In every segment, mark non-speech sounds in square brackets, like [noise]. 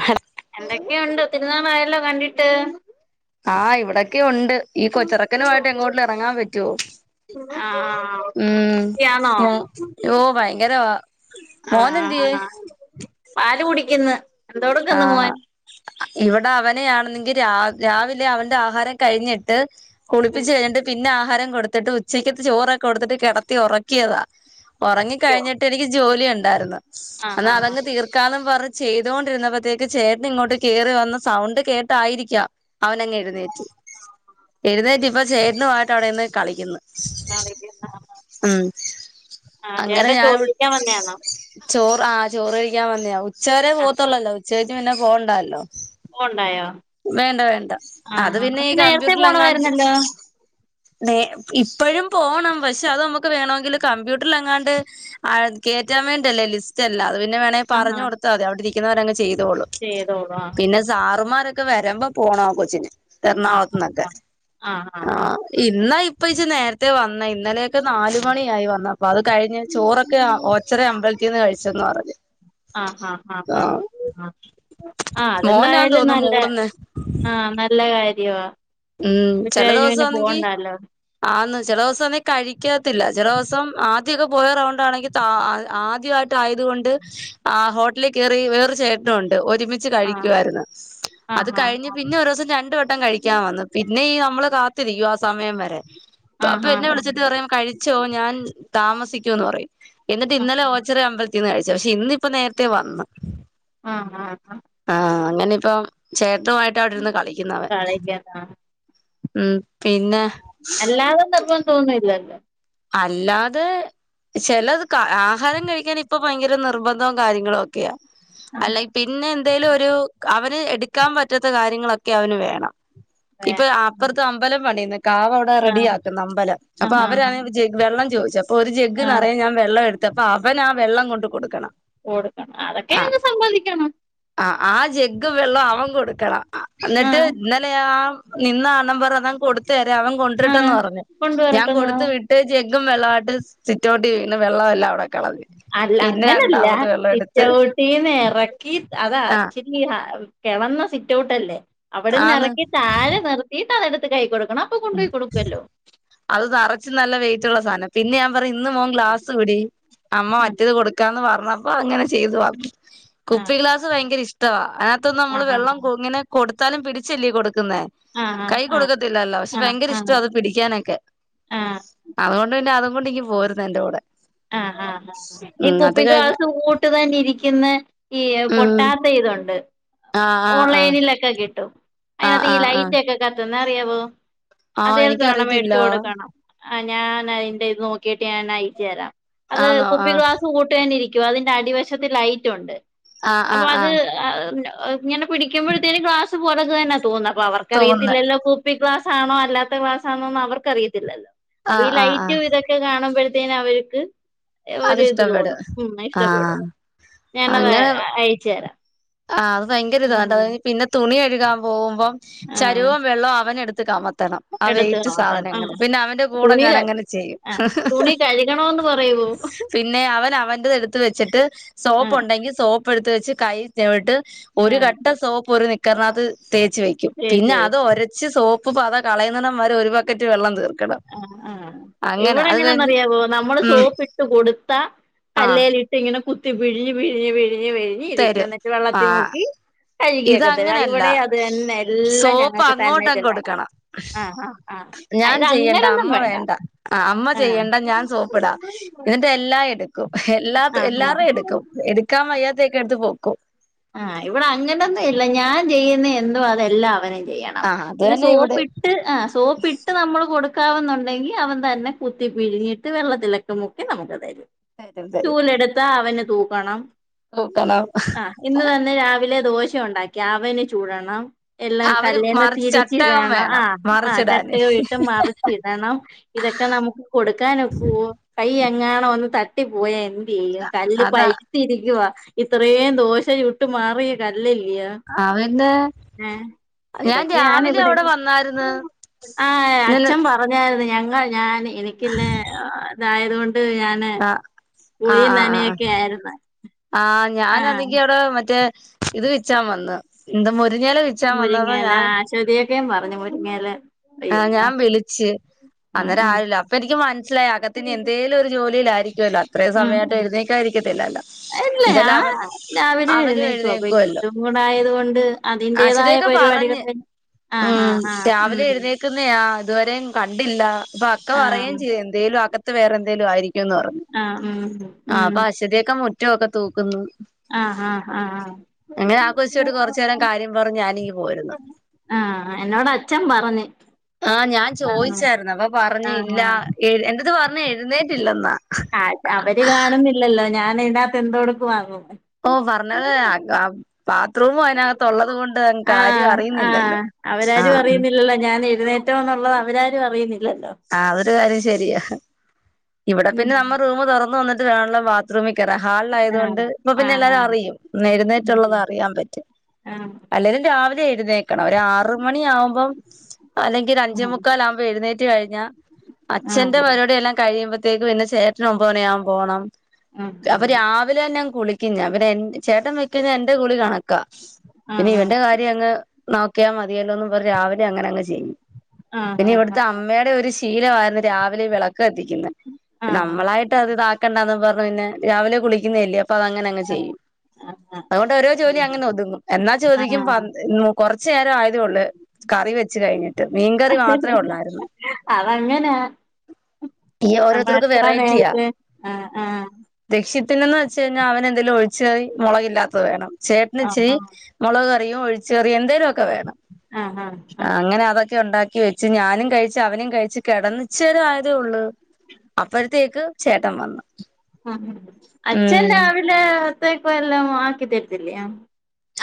ഭർ എന്തൊക്കെയുണ്ട് ഒത്തിരി നാളായല്ലോ കണ്ടിട്ട് ആഹ് ഇവടൊക്കെ ഉണ്ട് ഈ കൊച്ചിറക്കനുവായിട്ട് എങ്ങോട്ട് എറങ്ങാൻ പറ്റുവോ ആഹ് ഉം യാണോ ഞാൻ ഓ ഭയങ്കരവാ ആഹ് മോനെന്തിയേ ആഹ്ആണോ പാല് കുടിയ്ക്കുന്ന് ആഹ് ഇവിടെ അവനെയാണെങ്കി രാവിലെ അവന്റെ ആഹാരം കഴിഞ്ഞിട്ട് ഉം കുളിപ്പിച്ച് കഴിഞ്ഞിട്ട് പിന്നെ ആഹാരം കൊടുത്തിട്ട് ഉച്ചക്കത്തെ ചോറൊക്കെ കൊടുത്തിട്ട് കെടത്തി ഒറക്കിയതാ ഒറങ്ങി ഉറക്കിയോ കഴിഞ്ഞിട്ട് എനിക്ക് ജോലി ഉണ്ടായിരുന്നു എന്നാ ആഹ് അതങ്ങ് തീർക്കാന്നും പറഞ്ഞ് ചെയ്തോണ്ടിരുന്നപ്പം ത്തേക്ക് ചേട്ടനിങ്ങോട്ട് കേറി വന്ന സൗണ്ട് കേട്ടായിരിക്കാം അവനങ്ങ് എഴുന്നേറ്റ് എഴുന്നേറ്റ് ഇപ്പ ചേട്ടനുമായിട്ട് അവിടെ നിന്ന് കളിയ്ക്കുന്ന് കളിക്കുന്നു ആഹ് അങ്ങനെ ചേട്ടൻ ഞാൻ ചോറ് തിന്നാൻ വന്നെയാണൊ ചോറ് ആഹ്ചോറ് കഴിയ്ക്കാൻ വന്നയാ ഉച്ചവരെ ആഹ് പോവത്തൊള്ളല്ലോ ഉച്ചകഴിഞ്ഞ് പിന്നെ പോണ്ടാല്ലോ പോണ്ടായോ വേണ്ട വേണ്ട അത് പിന്നെ ഈ നേരത്തെ കമ്പ്യൂട്ടറിലെങ്ങാണ്ട് പോണമായിരുന്നല്ലോ ഇപ്പഴും പോണം പക്ഷെ അത് നമ്മക്ക് വേണമെങ്കില് കമ്പ്യൂട്ടറിലെങ്ങാണ്ട് ആഹ് കേറ്റാൻ വേണ്ടി അല്ലെ ലിസ്റ്റല്ല അത് പിന്നെ വേണമെങ്കി പറഞ്ഞ് കൊടുത്താ മതി അവിടെ ഇരിക്കുന്നവരങ് ചെയ്തോളും ചെയ്തോളും അഹ് പിന്നെ സാറുമാരൊക്കെ വരുമ്പം പോണം ആ കൊച്ചീന്ന് ആഹ് എറണാകുളത്തന്നൊക്കെ ആഹ് ഇന്ന ഇപ്പ ജി നേര്ത്തെ വന്നെ ഇന്നലെയൊക്കെ നാല് മണിയായി വന്നപ്പോ അത് കഴിഞ് ചോറൊക്കെ ഓച്ചറ അമ്പൽത്തിന്ന് കഴിച്ചെന്ന് പറഞ്ഞു ആഹ് ആഹ് ആഹ് ആഹ് ആഹ് ആഹ് മോനാന്ന് അതെന്തായാലും തോന്നുന്നു നല്ലെ മൂളുന്നെ ആഹ് നല്ല കാര്യോ ഉം ചെല ദിവസോന്നെങ്കി ആന്ന് ചെലോസംന്നു കഴിക്കത്തില്ല ചെലോസം ആദ്യക്കെ പോയ റൗണ്ടാണെങ്കിൽ താ ആ ആദ്യയി ട്ട് ആയതുകൊണ്ട് ആ ഹോട്ടലിൽ കേറി വേറെരു ചേട്ടനു ഉണ്ട് ഒരുമി ച്ച് ആഹ് കഴിക്കാരുന്നു അത് ആഹ് കഴിഞ്ഞ് ആഹ് പിന്നെ ഒരോസം രണ്ട് വട്ടം കഴിക്കാൻ വന്ന് പിന്നെ ഈ നമ്മള് കാത്തിരിക്കും ആ സമയം വരെ പ്പൊ അപ്പൊ ആഹ് എന്നെ ആഹ് വിളിച്ചിട്ട് പറയും കഴി ച്ചോ ഞാൻ താമസിക്കൂന്ന് പറയും എന്നിട്ട് ഇന്നലെ ഓച്ചറ അമ്പലത്തിന്ന് കഴിച്ച ഭക്ഷ് ഇന്ന്പ്പ നേരത്തെ വന്ന് ആഹ് ആഹ് ആഹ് ആഹ് അങ്ങനെ ഇപ്പം ചേട്ടുമായിട്ട് അവിടെര്ന്ന് കളിക്കുന്നു അവൻ കളയില്ലന്നാ ഉം പിന്നെ അല്ലാതെ നിർബന്ധന്നും ഇല്ലല്ലോ അല്ലാതെ ചെലത് ക ആഹാരം കഴിക്കാൻ ഇപ്പോ ഭയങ്കര നിർബന്ധവും കാര്യങ്ങളു ക്കെയാ അല്ലെ പിന്നെ എന്തേലും ഒരു അവന് എടുക്കാൻ പറ്റാത്ത കാര്യങ്ങള ക്കെ അവന് വേണം ഇപ്പൊ ആഹ് അപ്പർത്ത് അമ്പലം പണിയ് ന്ന് കാവ് അവിടെ റെഡി ആക്കുന്ന് അമ്പലം അപ്പൊ ആഹ് അവരാ ആഹ് വെള്ളം ചോദിച് അപ്പൊ ഒരു ജഗ് ആഹ് നിറയെ ഞാൻ വെള്ളം എടുത്തപ്പ അവന് ആ വെള്ളം കൊണ്ട് കൊടുക്കണം അതൊക്കെ അങ് സമ്മദിക്കണം ആഹ് ആ ജെഗ്ഗ് വെള്ളം അവൻ കൊടുക്കണം അന്നിട്ട് ആഹ് ഇന്നലെയാ ആ നിന്ന അണ്ണൻപറഞ്ഞു അതങ്ങ് കൊടുത്തുരാ അവൻ കൊണ്ടര്ട്ടെന്ന് പറഞ് കൊണ്ടുവരട്ടെന്ന ജെഗും വെള്ളമായിട്ട് സിറ്റൗട്ടിലിരുന്നു വെള്ളമെല്ലാം അവിടെ കളഞ്‌ അല്ല അങ്ങനല്ല സിറ്റൗട്ടിന്ന് ഇറക്കി അത ആഹ് ഈ ഹാ കിളന്ന സിറ്റോട്ട് അല്ലേ അവിടെന്ന് ആന്ന് ഇറക്കി താഴെ നിർത്തിയിട്ട് അതടുത്ത് കൈ കൊട് ക്കണ അപ്പ കൊണ്ടോയി കൊടുക്കുല്ലോ അത് നെറച്ച് നല്ല വെയിറ്റ്ള്ള സാധന പിന്നെ ഞാൻ പറി ഇന്ന് മോൻ ഗ്ലാസ് പിടി അമ്മ ആഹ് മറ്റേത് കൊടു ക്കാന്ന് പറഞ്ഞപ്പൊ അങ്ങനെ ചെയ്തു വ ആഹ് കുപ്പി ഗ്ലാസ് ഭയങ്കര ഇഷ്ടവാ അതിനകത്തൊന്നും നമ്മള് ആഹ് വെള്ളം ഇങ്ങനെ കൊടുത്താലും പിടിച്ചല്ലേ കൊടുക്കുന്നേ ആഹ് കൈ ആഹ് ആഹ് കൊടുക്കത്തില്ലല്ലോ പക്ഷെ ആഹ് ഭയങ്കര ആഹ് ഇഷ്ട ആഹ് അത് പിടിക്കാനൊക്കെ ആഹ് അതോണ്ട് പിന്നെ അതും കൊണ്ട് ഇങ്‌ പോരുന്നു എന്റെ കൂടെ ആഹ് ആഹ് ആ ഈ ഉം അത് കുപ്പി കഴിഞ്ഞ് ക്ലാസ് കൂട്ട് തന്നെ ഇരിക്കുന്നെ ഈ ഉം പൊട്ടാത്ത ഇതുണ്ട് ആഹ് ആഹ് ആഹ് ഓൺലൈനിലൊക്കെ കിട്ടും ആഹ് അതിനകത്ത് ഈ ആഹ് ആഹ് ലൈറ്റ് ഒക്കെ കത്തുന്ന അറിയാവോ ആഹ് അതെൽതൊരെണ്ണം എനിക്കറിയത്തില്ല മേടിച്ചു കൊടുക്കണം ആ ഞാൻ ന അയ്ന്റെ ഇത് നോക്കിട്ട് ഞാൻ അയിച്ചു രാ അത് ആന്നോ കുപ്പി ആഹ് ഗ്ലാസ് കൂട്ടുന്നെരിക് ക്കും അതിന്റെ അടിവശത് ലൈറ്റ് ഒ ണ്ട് ആഹ് അപ്പൊ ആഹ് അത് ആഹ് അ ഇങ്ങനെ പിടിക്കുമ്പോഴത്തേനും ഗ്ലാസ്‌ പോലെ തന്നെ തോന്ന അപ്പ അവർക്ക് തോന്നുന്ന് അറിയത്തില്ലല്ലോ കു പി ക്ലാസ് ആണോ അല്ലാത്ത ക്ലാസ് ആണോന്ന് അവർക്ക് അറിയത്തില്ല ല്ലോ പ്പൊ ഈ ആഹ് ആഹ് ലൈറ്റ് ആഹ് ഇതൊക്കെ ക്കെ കാണുമ്പഴത്തേനും അവർക്ക് അത് ഒരു ഇത് തോന്നും ഇഷ്ടപ്പെടും ഉം ആഹ് ഇഷ്ടപ്പെടും ഞാനത് അയ് അയച്ചെരാ ആഹ് അത് ഭയങ്കര ഇതട്ടോ പിന്നെ തുണി കഴുകാൻ പോകുമ്പം ആ ചരുവവും വെള്ളവും അവനെടുത് കമത് ത്തണം ആ എടുത്ത് വെയിറ്റ് നോക്കാം ആ സാധനങ്ങള് പിന്നെ അവന്റെ കൂടെ തുണി ഞാൻ ക- അങ്ങനെ ചെയ്യും ആ തുണി കഴുകണോന്ന് പറയുവോ പിന്നെ അവൻ അവന്റെത് എടുത്ത് വെച്ചിട്ട് ആ സോപ്പ് ഉണ്ടെങ്കിൽ സോപ് പ് ടുത്ത് വെച്ച് കൈ വിട്ട് ആ ഒരു കട്ട സോപ്പ് ഒരു നിക്കർനാത്ത് തേച്ച് വെക് കും പിന്നെ ചേച്ചി അത് ഒരച്ച് സോപ്പ് പത കളയുന്നണം വരെ ഒരു ബക്കറ്റ് വെള്ളം തീർ ആഹ് ആഹ് ഇവിടെ എങ്ങനെന്ന കഴിഞ്ഞ് അറിയാവോ നമ്മള് ഉം സോപ്പ് ഇട്ട് കൊടുത്ത ആ കല്ലേലി ട്ട് ഇങ്ങനെ കുത്തി പിഴിഞ് പിഴിഞ്ഞ് പിഴിഞ്ഞ് പിഴിഞ്ഞ് ഇരിക്കു ന്നിട്ട് വെള്ളത്തി മുക്കി ഇത് കഴുകിയൊക്കെ തരും അങ്ങനല്ല ഇവിടെ അത് തന്നെ എല്ലാം സോപ്പ് ഞങ്ങൾക്ക് അങ്ങോട്ട തന്നെ അങ്ങ് ചെല്ലണം കൊടുക്കണം ആ ആ ആ ആ, ഞാൻ ഇത് ചെയ്യണ്ട അങ്ങനൊന്നും അമ്മ വേണ്ട അമ്മ ആ ചെയ്യണ്ട ഞാൻ സോ പ്പിടം എല്ലാം എടുക്കും എല്ലാ ആ എല്ലാാരും ആ എടുക്കും എക്കാ മയ്യാത്തേക്കെടുത്ത് പോക്കും ആഹ് ഇവിടെ അങ്ങട്ടന്നും ഇല്ല ഞാൻ ചെയ്യുന്ന എന്തോ അതെല്ലാം അവനും ചെയ്യണം ആ അത് ന്ന തന്നെ ഇവിടെ സോപ്പ് സോപ്പ് നമ്മള് കൊട മുക്കാവുന്നുണ്ടെങ്കിൽ അവൻ തന്നെ കുത്തി പിഴിഞ്ഞിട്ട് വെള്ളത്തിലക്ക മുക്കി നമുക്ക് തരും തരും ചൂലെടുത്താ അവന തൂക്കണം ഓട്ടണ ആഹ് ഇന്ന് തൻ്റെ രാവിലെ ദോശ ഉണ്ടാക്കി അവന് ചൂടണം എല്ലാം അവര് കല്യാണം മറിച്ച് ചട്ടകം തിരിച്ചിടണം ആ് വേണം ആ മറിച്ചിടാന് ചട്ടുക വീട്ടും മറിച്ചി ടണം ഇതൊക്കെ നമുക്ക് കൊടുക്കാൻൊക്ക കൈ എങ്ങണോ ഒന്ന് തട്ടി പോയ ചെയ്യ കല്ല് അതാ പൈത്തിരിക്കുവ ഇത്രയും ദോശ ചുട്ട് മാറിയ കല്ലല്ലയ അവന്ന്െ ഏയ് ഞാൻ രാവിലെ അവിടെ വന്നായിന്ന് ഞൻ അഞ ഞങ്ങൾ ഞാൻ എനിക്കില്ല ഇതായത് കൊണ്ട് ഞാൻ അങ്ങനെ ആ കുളിയും തനൊക്കെ ആയിരുന്നു ആ് ആഹ് ഞാനാന്നെങ്കി അവ്ടെ മറ്റേ ഇത് വിച്ചാൻ വന്ന് എന്ത മുരിഞ്ഞയെല വെച്ച നന്നാവ ഞാൻ ചെരിയേക്ക പറഞ്ഞു മുരിങ്ങയില ആഹ് ഞാൻ വിളിച്ച് ഉം അന്നേരം ഉം ആരുല്ല അപ്പ എനിക്ക് മനസ്സിലായി അകത്തത്തിനി എന്തേലും ഒരു ജോലിയിലായിരിക്കല്ലോ അത്രയും സമയമായിട്ട് എഴുന്നേക്കായിരിക്കത്തില്ലല്ലൊ അല്ലേ ആഹ് രാവിലെ എഴുന്നേക്കും അപ്പൊ എഴുന്നേക്കുവല്ലോ ഇതും കൂടൊയത് കൊണ്ട് അതിന്റേതായ ആശുതൊക്കെ പരുപാടികൾ പറഞ്ഞ് ആഹ് ആഹ് ആഹ് ഉം ക്ക്ന്നയ ഇതുവരെ കണ്ടില്ല അപ്പൊ അക്ക പറയും ആഹ് ചെയ്ത് എന്തേലും അകത്ത് വേറെ എന്തേലും ആയിരിക്കും ന്ന് പറഞ്ഞു ആഹ് ഉം ആഹ് ഉം അപ്പൊ അശ്വതിയൊക്ക മുറ്റവൊക്കെ തൂക്കുന്നു ആഹ് ആഹ് ആഹ് അങ്ങനെ ആഘോഷിച്ച്ട്ട് കൊറ്ച്ചേരം കാര്യം പർഞ് ഞാനിങ്ങ് പോര്ന്ന് ആഹ് എന്നോട അച്ഛൻ പറഞ്ഞ് ആഹ് ഞാൻ ആഹ് ചോതിച്ചാര്ന്ന് അപ്പ പറഞ്ഞ് ഇല്ല ആഹ് എന്ത്ത്ത് പർഞ്ഞ് എഴുന്നേറ്റില്ലന്നാ ആഹ് അവര് കാണുന്നില്ലല്ലൊ ഞാൻ ഇതിനകത്ത് എന്തൊട്ക്ക വാങ്ങ ഓഹ് പർഞ്ഞത് ബാത്റൂം അതിനകത്ത ഉള്ളത് കൊണ്ട് അങ്ങക് ആരിം ആഹ് ആഹ് അറിയുന്നില്ലല്ലൊ ആഹ് റ്റോ ന്നുള്ളത് അവരാരും അറിയുന്നില്ലല്ലൊ ആഹ് അതൊരു കാര്യം ശരിയാ ഇവ്ടെ ഉം പിന്നെ നമ്മ റൂമ് തൊറന്ന് വന്നിട്ട് കാണാനുള്ള ശ്രമിക്കറ ഹാള്ലായതുകൊണ്ട് ആഹ് ഇപ്പൊ പിന്നെ ആഹ് എല്ലാരും അറിയും നേരുന്നേറ്റുള്ളത് അറിയാൻ പറ്റും ആഹ് അല്ലെരും രാവിലെ എഴുന്നേക്കണം ഒരു ആറ് മണിയാവുമ്പൊ അല്ലെങ്കി ഒരഞ്ചേ ആഹ് മുക്കാൽ ആകുമ്പോ എഴുന്നേ പ കഴിഞ്ഞ ആഹ് അച്ഛന്റെ ആഹ് പരിപടി എല്ലാം കഴിയുമ്പത്തേക്ക് പിന്നെ ചേട്ടന് ഒമ്പ്നെയാവുമ്പൊ പോകണം ഉം അപ്പൊ ഉം രാവിലെന്നെ ഞൻ കുളിക്കും ഞാൻ പിന്നെ ചേട്ടൻ വെക്കുന്ന എന്റെ ഗുളി കണക്കാ പിന്നെ ആഹ് ഇവന്റെ കാര്യം അങ്ങ് നോക്കിയാൽ മതിയല്ലോന്ന്ും പറ രാവിലെ അങ്ങനെ അങ്ങ് ചെയ്യും ആഹ് പിന്നെ ഇവ്ടുത്തെ അമ്മേടെ ഒരു ശീലവായിരുന്നു രാവിലെ വിളക്ക് കത്തിക്ക്ന്നെ ആഹ് ആഹ് നമ്മളായിട്ട് അത് ഇതാക്കണ്ടാന്നന്ന് പർഞ്ഞു പിന്നെ രാവിലെ കുളിക്കുന്നെ അല്ലേ അപ്പ അത അങ്ങനെ അങ്ങ് ചെയ്യും അതുകൊണ്ട് ഓരോ ജോലി അങ്ങനെ ഒതുങ്ങും എന്നാ ചോദിക്കും ആഹ് കൊറ്ച്ചു നേരം ആയതെ ഉള്ളു കറി വെച്ച് കഴിഞ്ഞിട്ട് മീൻകറി മാത്രെ ഉള്ളാർ അതങ്ങന്യ ഈ നമ്മ ഓരോരുത്തർക്ക് എത്ര നേര്ത്തെ ആഹ് ആഹ് ദക്ഷ്യത്തിനന്ന് വെച്ച് കഴിഞ്ഞ അവന് എന്തെലിലും ഒഴിച്ചച്ച് മുളകില്ലാത്തത് വേണം ചേട്ടന് ആഹ് ചിരി ആഹ് മുളക് കറിയും ഒഴിച്ച് കറിയും എന്തേലൊക്ക വേണം ആഹ് ആഹ് ആഹ് അങ്ങനെ അതൊക്കെ ഉണ്ടാക്കി വെച്ച് ഞാനും കഴിച്ച അവനും കഴിച്ചു കിടന്ന് ഇച്ചേര ആയതേ ഉള്ള് അപ്പഴത്തേക്ക് ചേട്ടൻ വന്നു ആ അച്ഛന്ന ഉം രവാവിലെ ഒത്തയ്ക്കോ എല്ലാം ആക്കതിർത്തില്ലയാ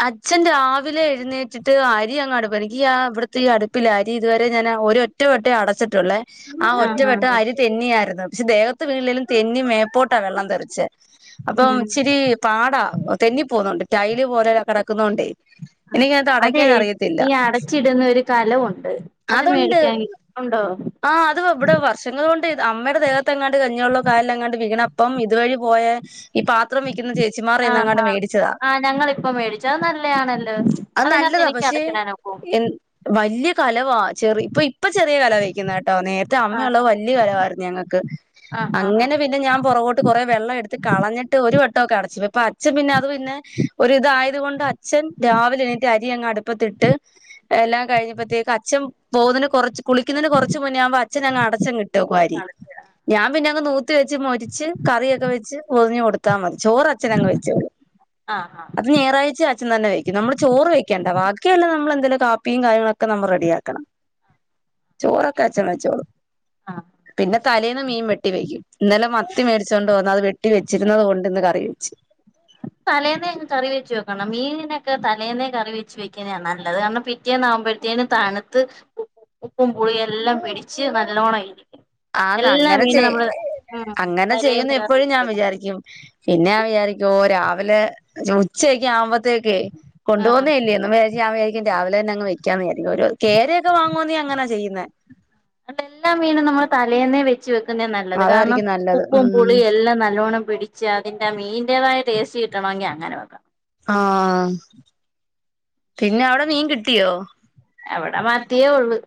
അച്ഛൻ രാവിലെ എഴുന്നേറ്റിട്ട് അരി അങ്ങ് അര ഈ ആഹ് ഇവിട്ത്തെ ഈ അടുപ്പിലാരി ഇതുവരെ ഞാൻ ഒരൊ ഒറ്റ വട്ടെ അടച്ചിട്ടുള്ളെ ആഹ് ഒറ്റ വട്ട അരി തെന്നി ആയിരുന്നു പക്ഷെ ദേവത്ത് വീണിലേലും തെന്നി മേപ്പോട്ടാ വെള്ളം തെറിച്ച് അപ്പം ഉം ഇച്ചിരി പാടാ തെന്നി പോവുന്നുണ്ട് ടൈല് പോലെല്ല കിടക്കുന്നണ്ടേ അതെ തീ അടച്ചിടുന്ന ഒര് കലവുണ്ട് അത് മേടിക്കാൻ ഉണ്ടൊ ആഹ് അത് ഇവിടെ വർഷങ്ങളോണ്ട് അമ്മേടെ ദേഹത്ത് എങ്ങാണ്ട് കഞ്ഞി വള്ളക്ക എങ്ങാണ്ട് വകണം അപ്പം ഇതുവഴി പോയെ ഈ പാത്രം വിക്ക്ന്ന ചേച്ചിമാർ എന്ന അങ്ങാണ്ട് മേടിച്ചതാ ഞങ്ങളിപ്പൊ മേടിച്ച നല്ലതയാണല്ലൊ അത് നല്ലതാ പക്ഷെ എ വല്യ കലവാ ചെറിയ ഇപ്പൊ ഇപ്പൊ ചെറിയ കല കേട്ടോ നേര്ത്തെ അമ്മയ ആഹ് ഉള്ളത് വല്യ കലവായിരുന്നു ഞങ്ങക്ക് ആഹ് ആഹ് ആഹ് അങ്ങനെ പിന്ന ഞാൻ പൊറകോട്ട് കുറ വെള്ളം എടുത്ത് കളഞ്ഞിട്ട് ഒരു വട്ടംക്കെ അടച്ചു ഇപ്പൊ അച്ഛൻ പിന്നെ അത് പിന്നെ ഒര് ഇതായ അതുകൊണ്ട് അച്ഛൻ രാവിലെ എണീറ്റ് അരി അങ്ങ് അടുപ്പത്തിട്ട്. എല്ലാം കഴിഞ്ഞപ്പോത്തേക്കും അച്ഛൻ പോകുന്നതിന് കൊറച്ച്. കുളിക്കുന്നതിന് കൊറച്ച് മുന്നോവുമ്പോ അച്ഛൻ അങ്ങ് അടച്ചങ്ങ് ഇട്ട് വാരി അടച്ചിടാം ഞാൻ പിന്നെ അങ്ങ് നോ കുത്ത് വെച്ച് മൊരിച്ച് കറിയൊക്കെ വെച്ച് പൊതിഞ്ഞ് കൊടുത്താൽ മതി, ചോറ് അച്ഛൻ അങ്ങ് വെച്ചോളൂ. ആഹ് ആഹ് [unintelligible] അച്ചൻ തന്നെ വെക്കും നമ്മള് ചോറ് വെക്കണ്ട ബാക്കിയെല്ലാം നമ്മൾ എന്തെലും കാപ്പിയും കാര്യങ്ങളൊക്കെ നമ്മൾ റെഡിയാക്കണം. [inaudible] ചോറൊക്കെ അച്ഛൻ വെച്ചോളൂ. ആഹ് പിന്നെ തലേൽന്ന് മീൻ വെട്ടി വെക്കും, ഇന്നലെ മത്തി മേടിച്ചോണ്ട് വന്നു അത് വെ വെട്ടി വെച്ചിരുന്നത് കൊണ്ട് ഇന്ന് കറി വെച്ച്. തലേന്ന് അങ്ങ് കറി വെച്ച് വെക്കണം, മീനിനൊക്കെ തലേന്ന് കറി വെച്ച് വെക്കുന്നതാണ് നല്ലത് കാരണം പി പിറ്റേന്ന് ആകുമ്പോഴത്തേന് തണുത്ത് ഉ ഉപ്പും പുളിയും എല്ലാം പിടിച്ചു നല്ലോണം ആയിരിക്കും. ആന്നേ അങ്ങനെ ചെ അങ്ങനെ തലേന്ന് ചെയ്യുന്നു കറി എപ്പോഴും വെച്ച് ഞാൻ വെക്കണം വിചാരിക്കും. പിന്നെ ഞാൻ വിചാരിക്കുവോ രാവിലെ ഉച്ചയൊക്കെ ആവുമ്പോഴത്തേക്ക് കൊണ്ടു ആഹ് പോന്നയല്ലേ എന്ന് വിചാരിച്ച്. ഞാൻ വിചാരിക്കും രാവിലെ തന്നെ അങ്ങ് വെക്കാൻ വിചാരിക്കും, ഒരു കേര ഒക്കെ വാങ്ങുവാണേൽ അങ്ങനെയാ ചെയ്യുന്നേ. എന്നിട്ട് എല്ലാം മീനും നമ്മള് തലേന്ന് വയ്ക്കും. വെച്ചുവെക്കുന്നത് നല്ലത്, കാരണം അതായിരിക്കും നല്ലത് ഉപ്പും ഉം പുളിയും എല്ലാം നല്ലവണ്ണം പിടി അതിന്റെ മീനിന്റെതായ ടേസ്റ്റ് കിട്ടണമെങ്കിൽ അങ്ങനെ വെക്കണം. ആഹ് പിന്നെ അവിടെ മീൻ കിട്ടിയോ? ഇവിടെ മത്തിയെ ഉള്ളൂ.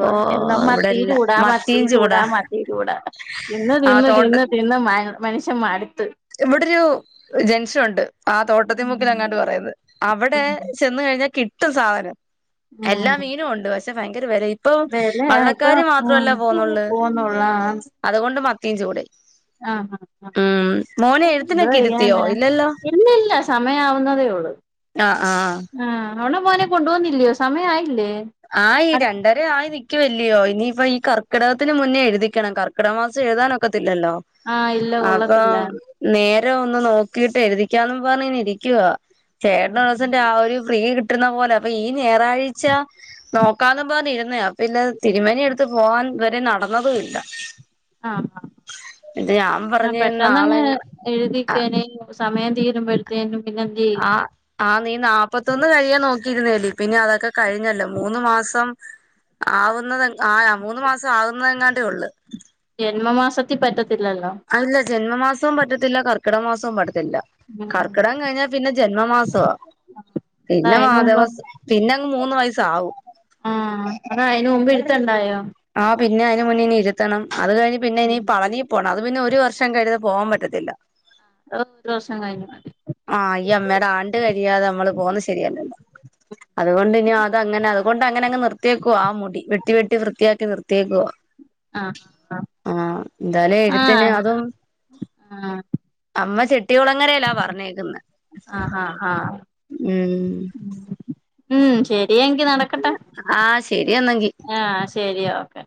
ഓ എന്നും മത്തി ഇവിടെല്ല ചൂടാ മത്തി മത്തിയും ചൂടാ മത്തി ചൂടാ. തിന്നു ആ തിന്നു തോട്ട തിന്നു തിന്നു മ മനുഷ്യൻ മടുത്തു. ഇവിടെ ഒരു ജൻഷൻ ഉണ്ട്, ആഹ് തോട്ടത്തിൽ മുക്കിൽ ഉം അങ്ങാട്ട് പറയുന്നത് അവിടെ. ചെന്നുകഴിഞ്ഞാൽ കിട്ടും സാധനം എല്ലാ ഉം മീനും ഉണ്ട് പക്ഷെ ഭയങ്കര വിലയും. ഇപ്പൊ വെലയാ ഇപ്പൊ വള്ളക്കാര് ഉം മാത്രമല്ല പോന്നുള്ളൂ, പോന്നുള്ളൂ ആഹ് അതുകൊണ്ട് മത്തിയും ചൂടയും. ആഹ് ആഹ് ഉം മോനെ എന്തോ എഴുത്തിനൊക്കെ ഇരുത്തിയോ ചെയ്യാനാ, ഇല്ലല്ലോ ഇല്ലല്ല സമയം ആവുന്നതേയുള്ളൂ. ആഹ് അവള് മോനെ കൊണ്ട് വന്നില്ലയോ സമയ ആയില്ലേ? ആയി ഈ രണ്ട്. ഇവിടെ ആയി നിക്കുവല്ലയോ, ഇനിയിപ്പം ഈ കർക്കിടകത്തിന് മുന്നേ എഴുതിക്കണം കർക്കിക മാസം എഴുതാൻ ഒക്കത്തില്ലയോ. ആഹ് ഇല്ല കൊള്ളത്തില്ല അപ്പം നേരം ഒന്ന് നോക്കിട്ട് എഴുതിക്കാന്ന് പറഞ്ഞു ഇരിക്കുവാ ചേട്ടൻ ഒരുദിവസം രാവിലെ. ഫ്രീ കിട്ടുന്ന പോലെ അപ്പൊ ഈ ഞായറാഴ്ച നോക്കാന്ന് പറഞ്ഞിരുന്നത്, പിന്നെ. തിരുമേനിയെടുത്ത് പോവാൻ ഇതുവരെ നടന്നതുമില്ല. ആഹ് എന്നിട്ട് ഞാൻ പറഞ്ഞു നാളെ. എഴുതിക്കാനും സമയം തീരുമ്പോഴേത്തേനും പിന്നെ എന്ത് ചെയ്യും. ആഹ് നീ നാല്പത്തൊന്ന് കഴിയാൻ നോക്കിയിരുന്നേല്ലേ പിന്നെ അതൊക്കെ കഴിഞ്ഞല്ലോ മൂന്ന് മാസം. ആവുന്നത് ആഹ് മൂന്ന് മാസം ആവുന്നതെങ്ങാണ്ടേയുള്ളൂ. ജന്മമാസത്തിൽ പറ്റത്തില്ലല്ലോ? അല്ല ജന്മമാസവും പറ്റത്തില്ല കർക്കിട മാസവും പറ്റത്തില്ല. ഉം കർക്കിടം കഴിഞ്ഞാൽ പിന്നെ ജന്മമാസവാ. അതാ പിന്നെ അയിന് മുമ്പ് മാധവസ് പിന്നെ അങ്ങ് മൂന്ന് വയസ്സ് ആവും. ആഹ് അത് അയിന് മുമ്പ് എടുത്തുണ്ടായോ? ആഹ് പിന്നെ അതിന് മുന്നേ ഇനി ഇരുത്തണം, അത് കഴിഞ്ഞ് പിന്നെ ഇനി പഴനി. പോണം അത് പിന്നെ ഒരു വർഷം കഴിഞ്ഞാൽ പോവാൻ പറ്റത്തില്ല. അഹ് ഒരു വർഷം കഴിഞ്ഞു. ആഹ് ഈ അമ്മേടെ ആണ്ട് കഴിയാതെ നമ്മള് പോകുന്നത് ശരിയല്ലല്ലോ. അതുകൊണ്ട് ഇനി അത് അങ്ങനെ അത് കൊണ്ട് അങ്ങനെ അങ് നിർത്ത്യേക്കുവാ ആ മുടി വെട്ടി വെട്ടി. വൃത്തിയാക്കി നിർത്ത്യേക്കുവ. ആഹ് ആഹ് എന്താലും ആഹ് എഴുത്തിന് അതും. ആഹ് അമ്മ ചെട്ടികുളങ്ങരയില്ലാ പറഞ്ഞേക്കുന്ന്. ആഹ് ആഹ് ഹ. ഉം. ഉം ശെരി എങ്കി നടക്കട്ടെ ആഹ് ശരി എന്നെങ്കി ആഹ്. ശരി ഓക്കെ.